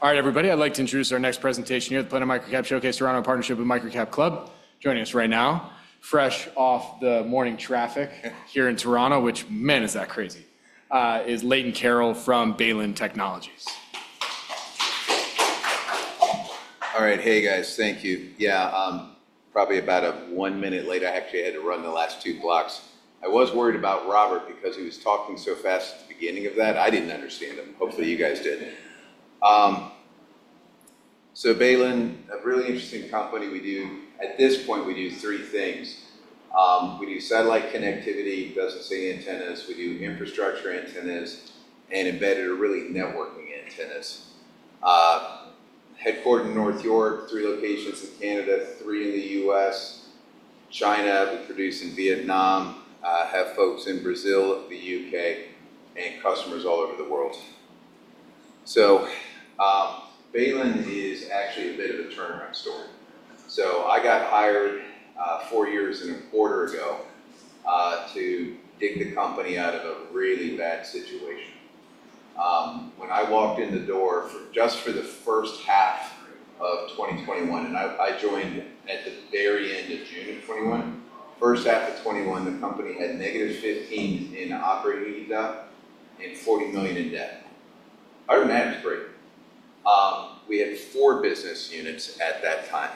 All right, everybody, I'd like to introduce our next presentation here at the Planet Microcap Showcase, Toronto, in partnership with Microcap Club. Joining us right now, fresh off the morning traffic here in Toronto, which, man, is that crazy, is Leighton Carroll from Baylin Technologies. All right, hey guys, thank you. Yeah, I'm probably about one minute late. I actually had to run the last two blocks. I was worried about Robert because he was talking so fast at the beginning of that. I didn't understand him. Hopefully, you guys did. Baylin, a really interesting company. At this point, we do three things. We do satellite connectivity, doesn't see any antennas. We do infrastructure antennas and embedded or really networking antennas. Headquartered in North York, three locations in Canada, three in the U.S., China. We produce in Vietnam, have folks in Brazil, the UK, and customers all over the world. Baylin is actually a bit of a turnaround story. I got hired four years and a quarter ago to dig the company out of a really bad situation. When I walked in the door just for the first half of 2021, and I joined at the very end of June of 2021, first half of 2021, the company had negative $15 million in operating EBITDA and $40 million in debt. Other than that, it was great. We had four business units at that time.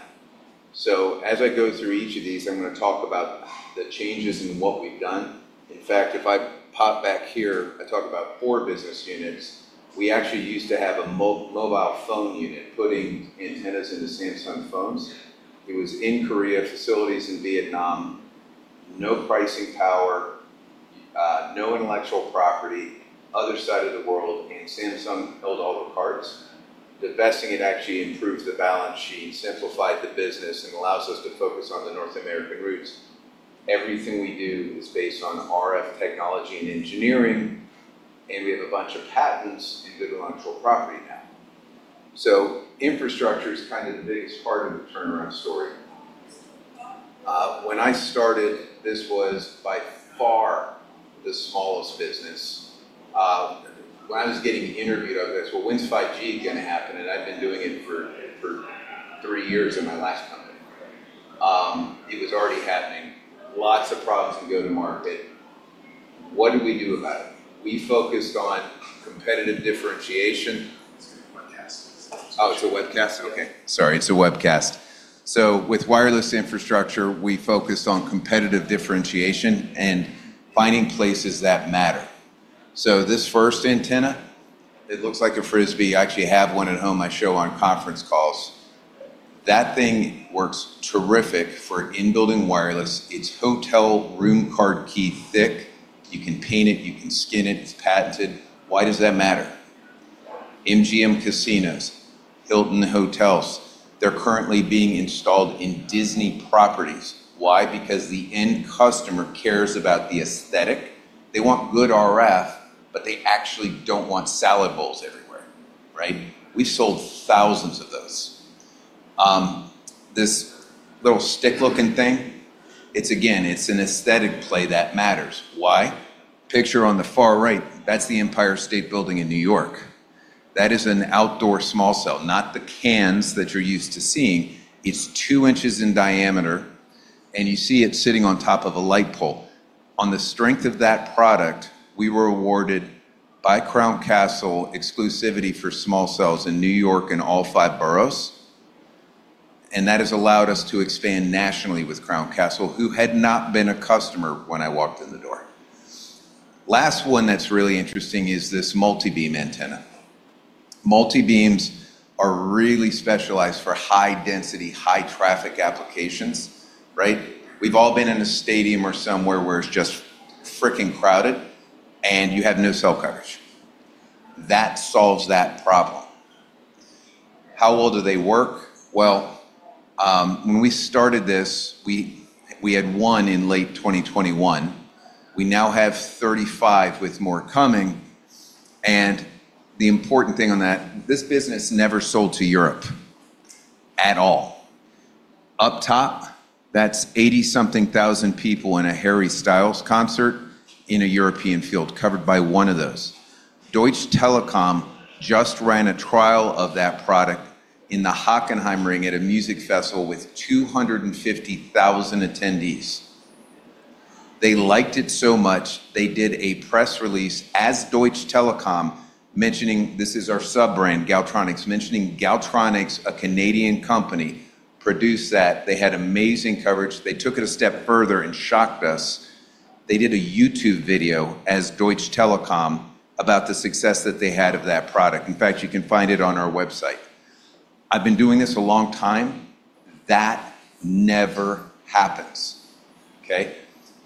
As I go through each of these, I'm going to talk about the changes in what we've done. In fact, if I pop back here, I talk about four business units. We actually used to have a mobile phone unit putting antennas into Samsung phones. It was in Korea, facilities in Vietnam, no pricing power, no intellectual property, other side of the world, and Samsung held all the cards. The divesting had actually improved the balance sheet, simplified the business, and allows us to focus on the North American roots. Everything we do is based on RF technology and engineering, and we have a bunch of patents and good intellectual property now. Infrastructure is kind of the biggest part of the turnaround story. When I started, this was by far the smallest business. When I was getting interviewed, I was like, when's 5G going to happen? I'd been doing it for three years at my last company. It was already happening. Lots of problems to go to market. What do we do about it? We focused on competitive differentiation. It's a webcast. Oh, it's a webcast? Okay. Sorry, it's a webcast. With wireless infrastructure, we focused on competitive differentiation and finding places that matter. This first antenna, it looks like a frisbee. I actually have one at home. I show on conference calls. That thing works terrific for in-building wireless. It's hotel room card key thick. You can paint it, you can skin it. It's patented. Why does that matter? MGM Resorts, Hilton Hotels, they're currently being installed in Disney properties. Why? Because the end customer cares about the aesthetic. They want good RF, but they actually don't want salad bowls everywhere, right? We've sold thousands of those. This little stick-looking thing, it's, again, it's an aesthetic play that matters. Picture on the far right, that's the Empire State Building in New York. That is an outdoor small cell, not the cans that you're used to seeing. It's two inches in diameter, and you see it sitting on top of a light pole. On the strength of that product, we were awarded by Crown Castle exclusivity for small cells in New York and all five boroughs, and that has allowed us to expand nationally with Crown Castle, who had not been a customer when I walked in the door. Last one that's really interesting is this multibeam antenna. Multibeams are really specialized for high-density, high-traffic applications, right? We've all been in a stadium or somewhere where it's just freaking crowded, and you have no cell coverage. That solves that problem. How well do they work? When we started this, we had one in late 2021. We now have 35 with more coming. The important thing on that, this business never sold to Europe at all. Up top, that's 80-something thousand people in a Harry Styles concert in a European field covered by one of those. Deutsche Telekom just ran a trial of that product in the Hockenheimring at a music festival with 250,000 attendees. They liked it so much, they did a press release as Deutsche Telekom mentioning this is our sub-brand, Galtronics, mentioning Galtronics, a Canadian company, produced that. They had amazing coverage. They took it a step further and shocked us. They did a YouTube video as Deutsche Telekom about the success that they had of that product. In fact, you can find it on our website. I've been doing this a long time. That never happens.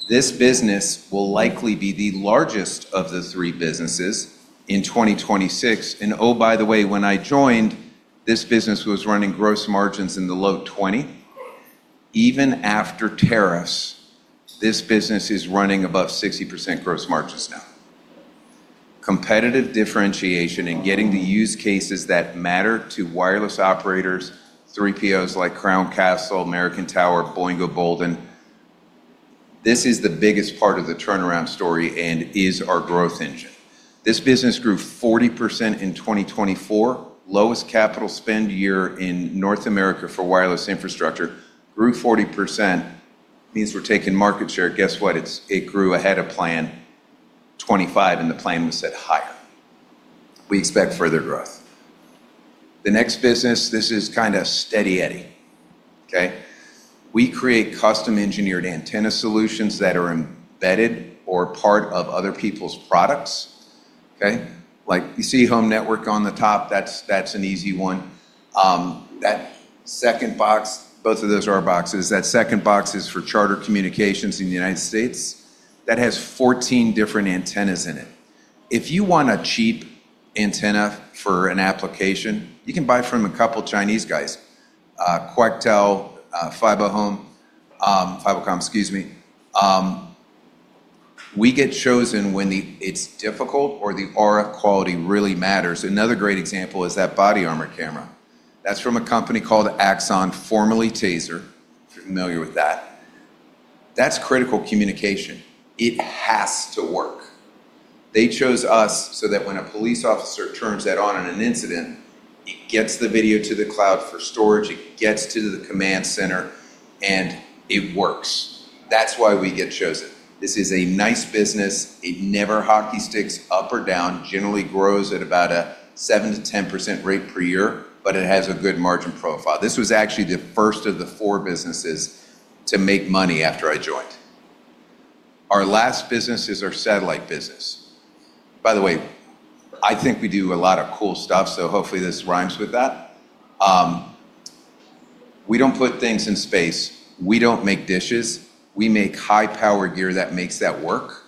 This business will likely be the largest of the three businesses in 2026. By the way, when I joined, this business was running gross margins in the low 20%. Even after tariffs, this business is running above 60% gross margins now. Competitive differentiation and getting to use cases that matter to wireless operators, 3POs like Crown Castle, American Tower, Boingo, Bolden. This is the biggest part of the turnaround story and is our growth engine. This business grew 40% in 2024, lowest capital spend year in North America for wireless infrastructure, grew 40%. Means we're taking market share. Guess what? It grew ahead of plan 25 and the plan was set higher. We expect further growth. The next business, this is kind of steady Eddie. We create custom-engineered antenna solutions that are embedded or part of other people's products. Like you see home network on the top, that's an easy one. That second box, both of those are boxes. That second box is for Charter Communications in the United States. That has 14 different antennas in it. If you want a cheap antenna for an application, you can buy from a couple of Chinese guys, Quectel, Fibercom, excuse me. We get chosen when it's difficult or the RF quality really matters. Another great example is that body armor camera. That's from a company called Axon, formerly Taser. If you're familiar with that, that's critical communication. It has to work. They chose us so that when a police officer turns that on in an incident, it gets the video to the cloud for storage, it gets to the command center, and it works. That's why we get chosen. This is a nice business. It never hockey sticks up or down, generally grows at about a 7% to 10% rate per year, but it has a good margin profile. This was actually the first of the four businesses to make money after I joined. Our last business is our satellite business. I think we do a lot of cool stuff, so hopefully this rhymes with that. We don't put things in space. We don't make dishes. We make high-powered gear that makes that work.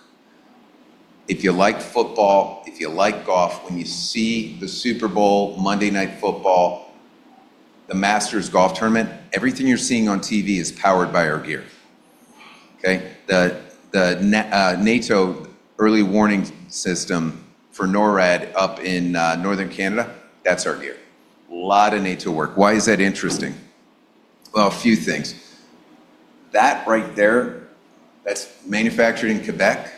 If you like football, if you like golf, when you see the Super Bowl, Monday Night Football, the Masters golf tournament, everything you're seeing on TV is powered by our gear. The NATO early warning system for NORAD up in northern Canada, that's our gear. A lot of NATO work. Why is that interesting? A few things. That right there, that's manufactured in Quebec.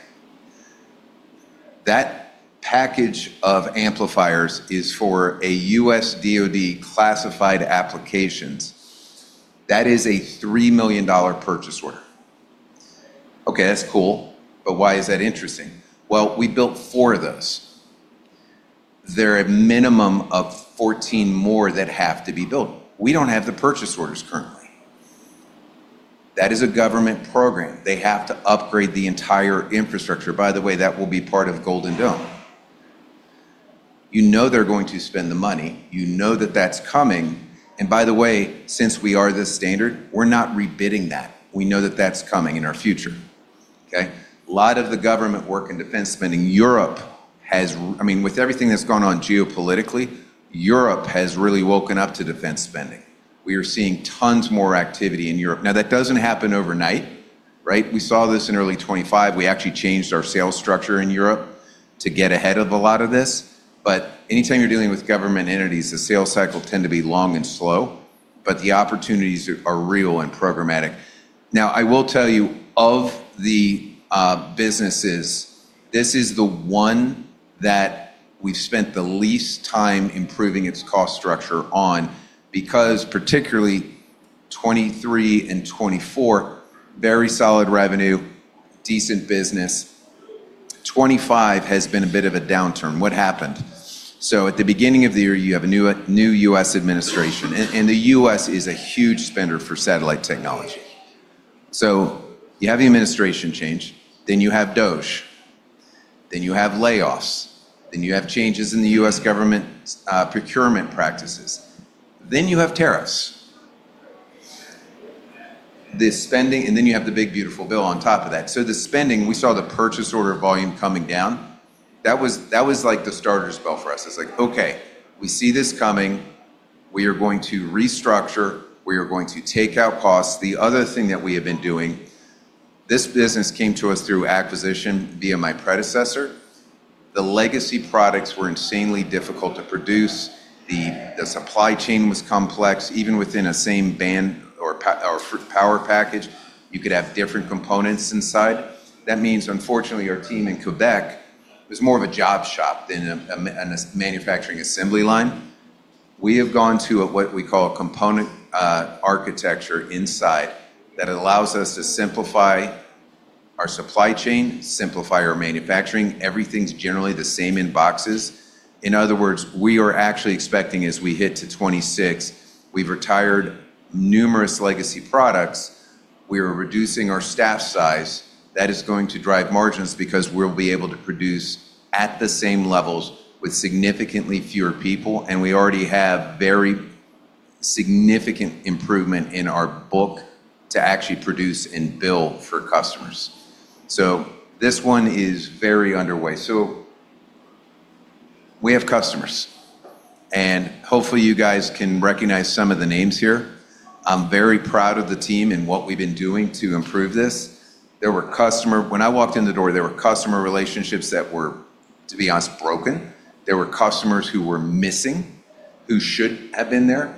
That package of amplifiers is for a U.S. DOD classified applications. That is a $3 million purchase order. Okay, that's cool, but why is that interesting? We built four of those. There are a minimum of 14 more that have to be built. We don't have the purchase orders currently. That is a government program. They have to upgrade the entire infrastructure. By the way, that will be part of Golden Dome. You know they're going to spend the money. You know that that's coming. By the way, since we are the standard, we're not rebidding that. We know that that's coming in our future. A lot of the government work and defense spending Europe has, I mean, with everything that's gone on geopolitically, Europe has really woken up to defense spending. We are seeing tons more activity in Europe. That doesn't happen overnight, right? We saw this in early 2025. We actually changed our sales structure in Europe to get ahead of a lot of this. Anytime you're dealing with government entities, the sales cycles tend to be long and slow, but the opportunities are real and programmatic. I will tell you, of the businesses, this is the one that we've spent the least time improving its cost structure on because particularly 2023 and 2024, very solid revenue, decent business. 2025 has been a bit of a downturn. What happened? At the beginning of the year, you have a new U.S. administration, and the U.S. is a huge spender for satellite technology. You have the administration change, then you have DOGE. You have layoffs. You have changes in the U.S. government procurement practices. You have tariffs. This spending, and you have the big beautiful bill on top of that. The spending, we saw the purchase order volume coming down. That was like the starter spell for us. It's like, okay, we see this coming. We are going to restructure. We are going to take out costs. The other thing that we have been doing, this business came to us through acquisition via my predecessor. The legacy products were insanely difficult to produce. The supply chain was complex. Even within a same band or power package, you could have different components inside. That means, unfortunately, our team in Quebec was more of a job shop than a manufacturing assembly line. We have gone to what we call a component architecture inside that allows us to simplify our supply chain, simplify our manufacturing. Everything's generally the same in boxes. In other words, we are actually expecting, as we hit to 2026, we've retired numerous legacy products. We are reducing our staff size. That is going to drive margins because we'll be able to produce at the same levels with significantly fewer people. We already have very significant improvement in our book to actually produce and bill for customers. This one is very underway. We have customers, and hopefully, you guys can recognize some of the names here. I'm very proud of the team and what we've been doing to improve this. There were customers, when I walked in the door, there were customer relationships that were, to be honest, broken. There were customers who were missing, who should have been there.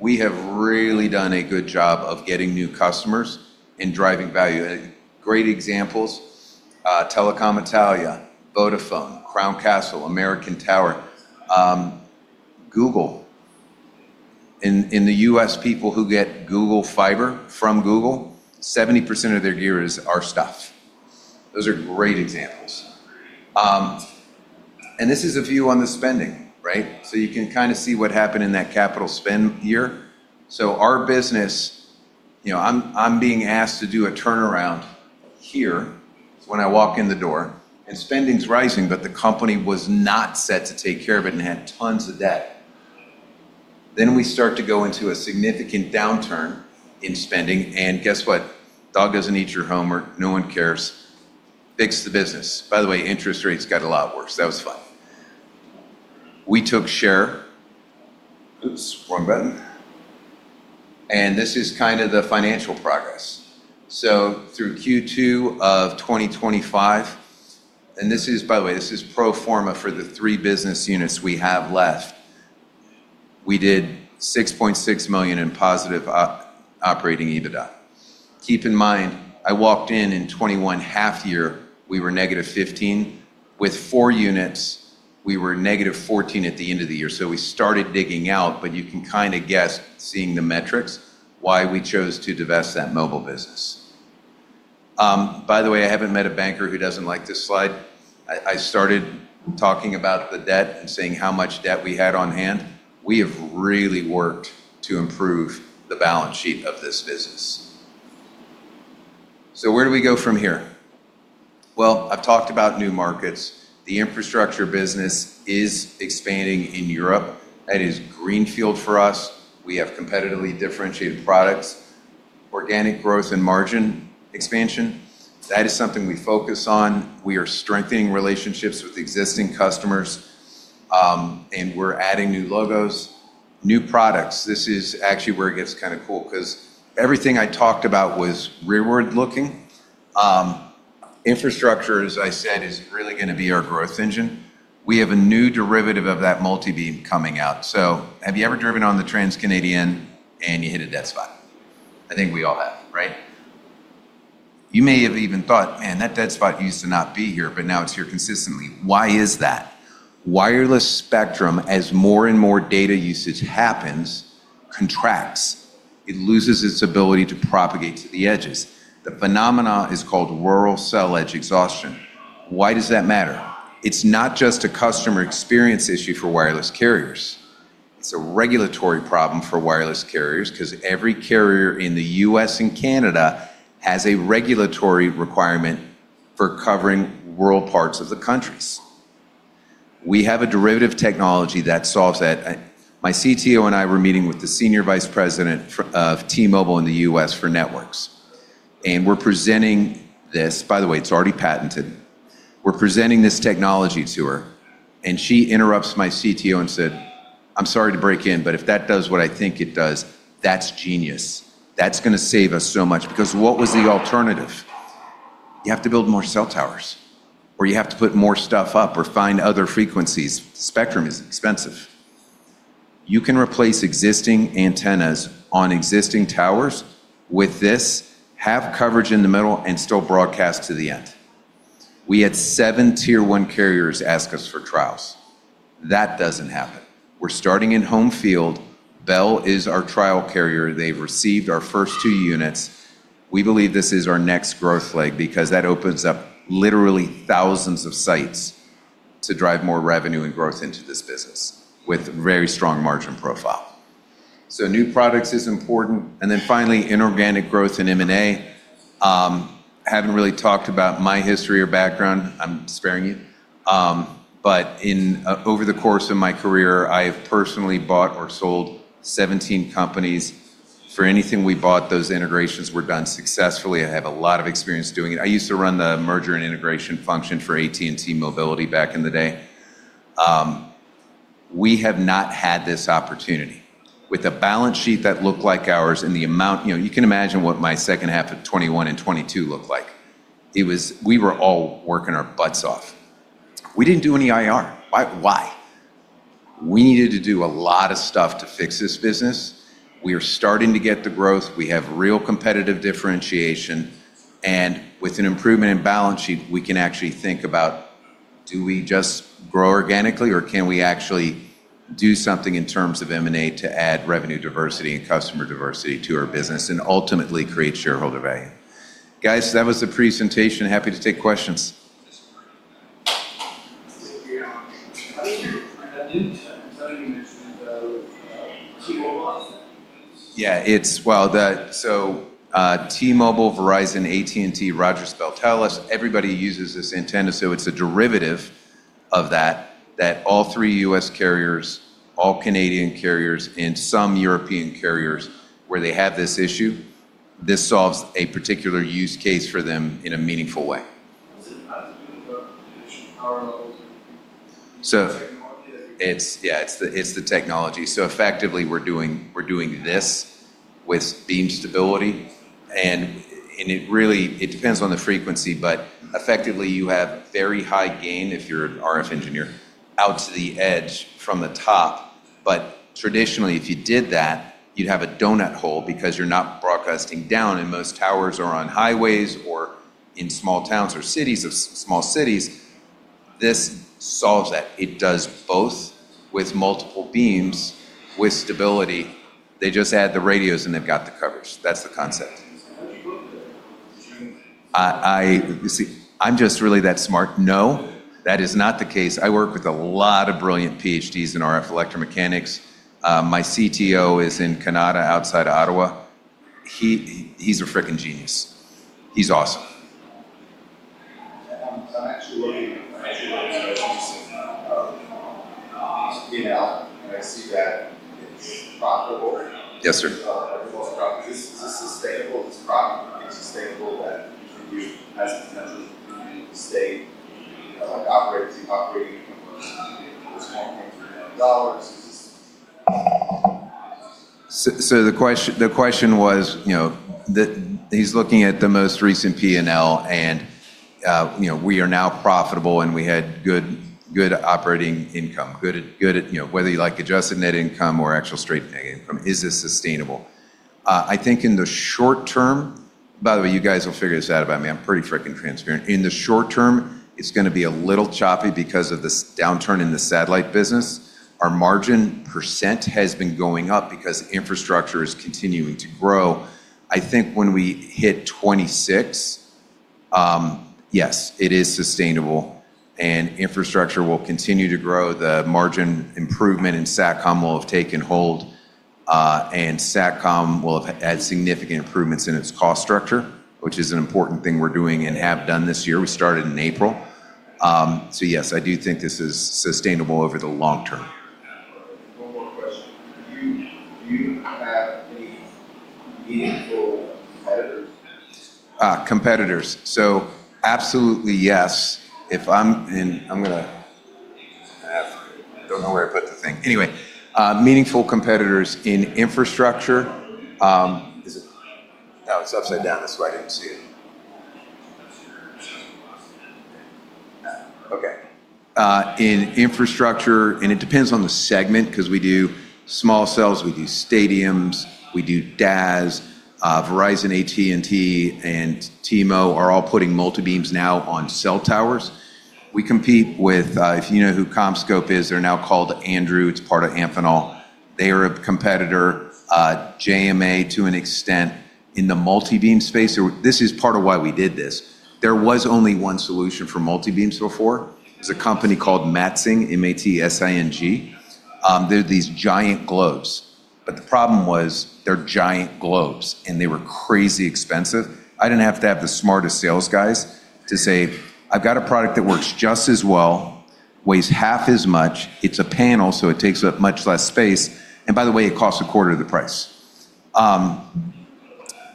We have really done a good job of getting new customers and driving value. Great examples: Telecom Italia, Vodafone, Crown Castle, American Tower, Google. In the U.S., people who get Google Fiber from Google, 70% of their gear is our stuff. Those are great examples. This is a view on the spending, right? You can kind of see what happened in that capital spend year. Our business, you know, I'm being asked to do a turnaround here when I walk in the door and spending's rising, but the company was not set to take care of it and had tons of debt. We start to go into a significant downturn in spending. Guess what? Dog doesn't eat your homework. No one cares. Fix the business. By the way, interest rates got a lot worse. That was fun. We took share. Oops, wrong button. This is kind of the financial progress. Through Q2 of 2025, and this is, by the way, this is pro forma for the three business units we have left. We did $6.6 million in positive operating EBITDA. Keep in mind, I walked in in 2021, half year, we were negative $15 million. With four units, we were negative $14 million at the end of the year. We started digging out, but you can kind of guess, seeing the metrics, why we chose to divest that mobile business. By the way, I haven't met a banker who doesn't like this slide. I started talking about the debt and saying how much debt we had on hand. We have really worked to improve the balance sheet of this business. Where do we go from here? I've talked about new markets. The infrastructure business is expanding in Europe. That is greenfield for us. We have competitively differentiated products, organic growth, and margin expansion. That is something we focus on. We are strengthening relationships with existing customers, and we're adding new logos, new products. This is actually where it gets kind of cool because everything I talked about was rearward looking. Infrastructure, as I said, is really going to be our growth engine. We have a new derivative of that multibeam coming out. Have you ever driven on the Trans-Canada and you hit a dead spot? I think we all have, right? You may have even thought, man, that dead spot used to not be here, but now it's here consistently. Why is that? Wireless spectrum, as more and more data usage happens, contracts. It loses its ability to propagate to the edges. The phenomenon is called rural cell edge exhaustion. Why does that matter? It's not just a customer experience issue for wireless carriers. It's a regulatory problem for wireless carriers because every carrier in the U.S. and Canada has a regulatory requirement for covering rural parts of the countries. We have a derivative technology that solves that. My CTO and I were meeting with the Senior Vice President of T-Mobile in the U.S. for networks. We're presenting this, by the way, it's already patented. We're presenting this technology to her, and she interrupts my CTO and said, I'm sorry to break in, but if that does what I think it does, that's genius. That's going to save us so much because what was the alternative? You have to build more cell towers, or you have to put more stuff up or find other frequencies. Spectrum is expensive. You can replace existing antennas on existing towers with this, have coverage in the middle, and still broadcast to the end. We had seven tier-one carriers ask us for trials. That doesn't happen. We're starting in home field. Bell is our trial carrier. They've received our first two units. We believe this is our next growth leg because that opens up literally thousands of sites to drive more revenue and growth into this business with a very strong margin profile. New products are important. Finally, inorganic growth in M&A. I haven't really talked about my history or background. I'm sparing you. Over the course of my career, I've personally bought or sold 17 companies. For anything we bought, those integrations were done successfully. I have a lot of experience doing it. I used to run the merger and integration function for AT&T Mobility back in the day. We have not had this opportunity. With a balance sheet that looked like ours and the amount, you know, you can imagine what my second half of 2021 and 2022 looked like. We were all working our butts off. We didn't do any IR. Why? We needed to do a lot of stuff to fix this business. We are starting to get the growth. We have real competitive differentiation. With an improvement in balance sheet, we can actually think about, do we just grow organically or can we actually do something in terms of M&A to add revenue diversity and customer diversity to our business and ultimately create shareholder value? Guys, that was the presentation. Happy to take questions. I think I'm new to it. I thought you mentioned T-Mobile? Yeah, it's, T-Mobile, Verizon, AT&T, Rogers, Bell, Telus, everybody uses this antenna. It's a derivative of that, that all three U.S. carriers, all Canadian carriers, and some European carriers where they have this issue, this solves a particular use case for them in a meaningful way. How does it do the work? Do they change power levels? Yeah, it's the technology. Effectively, we're doing this with beam stability. It really depends on the frequency, but effectively, you have very high gain if you're an RF engineer out to the edge from the top. Traditionally, if you did that, you'd have a donut hole because you're not broadcasting down. Most towers are on highways or in small towns or cities of small cities. This solves that. It does both with multiple beams, with stability. They just add the radios and they've got the coverage. That's the concept. Would you work with a string? I'm just really that smart. No, that is not the case. I work with a lot of brilliant PhDs in RF electromechanics. My CTO is in Canada outside of Ottawa. He's a freaking genius. He's awesome. Yes, sir. Everyone's profitable. Is it sustainable? The question was, you know, he's looking at the most recent P&L, and you know, we are now profitable, and we had good operating income, good at, you know, whether you like adjusted net income or actual straight net income. Is this sustainable? I think in the short term, by the way, you guys will figure this out about me. I'm pretty freaking transparent. In the short term, it's going to be a little choppy because of this downturn in the satellite business. Our margin % has been going up because infrastructure is continuing to grow. I think when we hit 2026, yes, it is sustainable, and infrastructure will continue to grow. The margin improvement in Satcom will have taken hold, and Satcom will have had significant improvements in its cost structure, which is an important thing we're doing and have done this year. We started in April. Yes, I do think this is sustainable over the long term. Competitors. Absolutely yes. If I'm in, I'm going to, I don't know where I put the thing. Anyway, meaningful competitors in infrastructure. No, it's upside down. That's why I didn't see it. Okay. In infrastructure, and it depends on the segment because we do small cells, we do stadiums, we do DAS. Verizon, AT&T, and T-Mobile are all putting multibeams now on cell towers. We compete with, if you know who CommScope is, they're now called Andrew. It's part of Amphenol. They are a competitor, JMA to an extent in the multibeam space. This is part of why we did this. There was only one solution for multibeams before. There's a company called MatSing, M-A-T-S-I-N-G. They're these giant globes. The problem was they're giant globes, and they were crazy expensive. I didn't have to have the smartest sales guys to say, I've got a product that works just as well, weighs half as much, it's a panel, so it takes up much less space, and by the way, it costs a quarter of the price.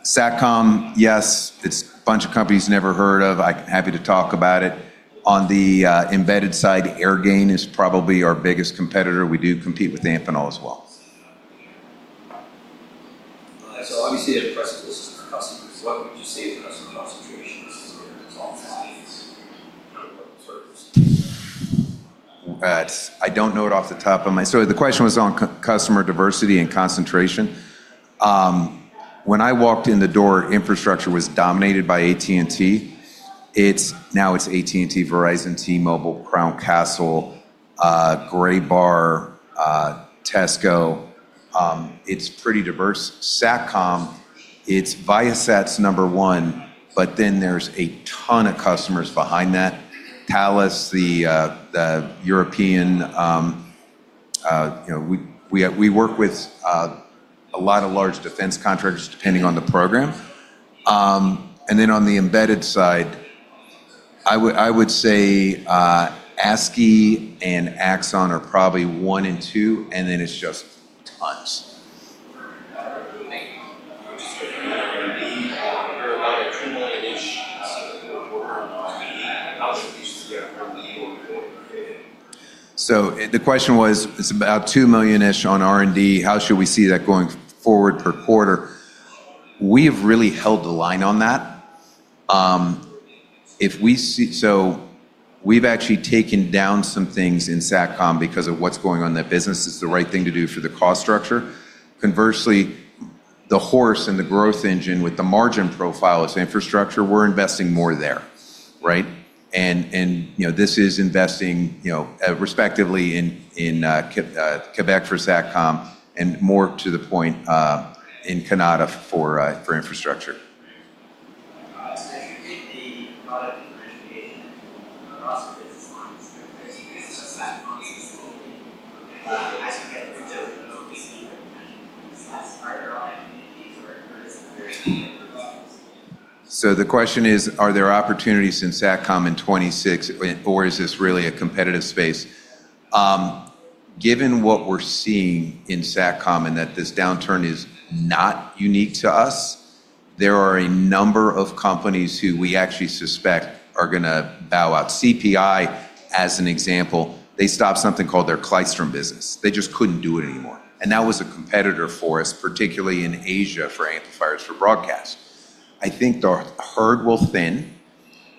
Satcom, yes, it's a bunch of companies never heard of. I'm happy to talk about it. On the embedded side, AirGain is probably our biggest competitor. We do compete with Amphenol as well. Obviously, the preferences for customers, what would you say is the customer concentration versus what your top five is? What? I don't know it off the top of my head. The question was on customer diversity and concentration. When I walked in the door, infrastructure was dominated by AT&T. Now it's AT&T, Verizon, T-Mobile, Crown Castle, Graybar, Tesco. It's pretty diverse. Satcom, it's Viasat's number one, but then there's a ton of customers behind that. Thales, the European, we work with a lot of large defense contractors depending on the program. On the embedded side, I would say ASCII and Axon are probably one and two, and then it's just tons. The question was, it's about $2 million-ish on R&D. How should we see that going forward per quarter? We have really held the line on that. If we see, we've actually taken down some things in Satcom because of what's going on in that business. It's the right thing to do for the cost structure. Conversely, the horse and the growth engine with the margin profile is infrastructure. We're investing more there, right? This is investing respectively in Quebec for Satcom and more to the point in Canada for infrastructure. The question is, are there opportunities in Satcom in 2026, or is this really a competitive space? Given what we're seeing in Satcom and that this downturn is not unique to us, there are a number of companies who we actually suspect are going to bow out. CPI, as an example, stopped something called their ClydeStrom business. They just couldn't do it anymore, and that was a competitor for us, particularly in Asia for amplifiers for broadcast. I think the herd will thin,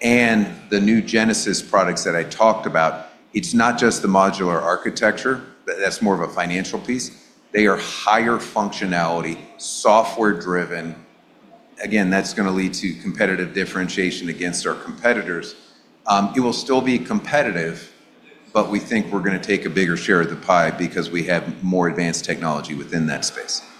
and the new Genesis products that I talked about, it's not just the modular architecture, that's more of a financial piece. They are higher functionality, software-driven. Again, that's going to lead to competitive differentiation against our competitors. It will still be competitive, but we think we're going to take a bigger share of the pie because we have more advanced technology within that space.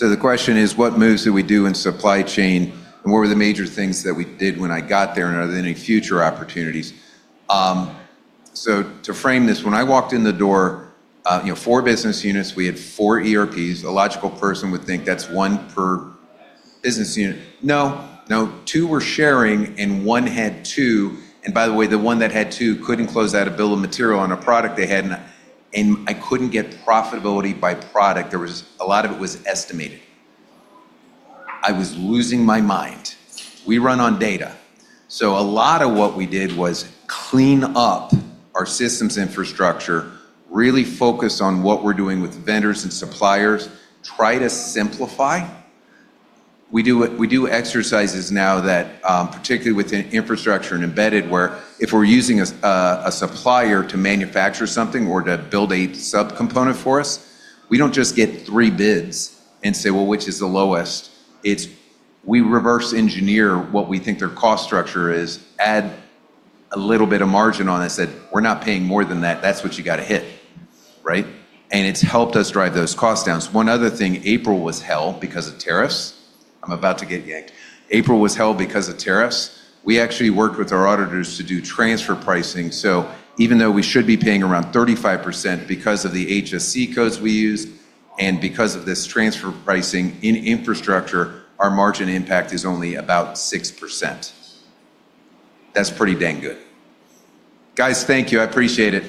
The question is, what moves did we do in supply chain? What were the major things that we did when I got there? Are there any future opportunities? To frame this, when I walked in the door, four business units, we had four ERPs. A logical person would think that's one per business unit. No, no, two were sharing and one had two. By the way, the one that had two couldn't close out a bill of material on a product they had. I couldn't get profitability by product. A lot of it was estimated. I was losing my mind. We run on data. A lot of what we did was clean up our systems infrastructure, really focus on what we're doing with vendors and suppliers, try to simplify. We do exercises now, particularly within infrastructure and embedded, where if we're using a supplier to manufacture something or to build a subcomponent for us, we don't just get three bids and say, which is the lowest? We reverse engineer what we think their cost structure is, add a little bit of margin on this. We're not paying more than that. That's what you got to hit, right? It's helped us drive those costs down. One other thing, April was hell because of tariffs. I'm about to get yanked. April was hell because of tariffs. We actually worked with our auditors to do transfer pricing. Even though we should be paying around 35% because of the HSC codes we use and because of this transfer pricing in infrastructure, our margin impact is only about 6%. That's pretty dang good. Guys, thank you. I appreciate it.